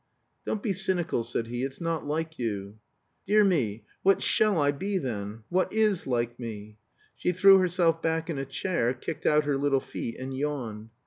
"Don't be cynical," said he; "it's not like you." "Dear me what shall I be then? What is like me?" She threw herself back in a chair, kicked out her little feet, and yawned.